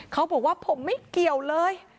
เขาบอกว่าผมไม่เกี่ยวเลย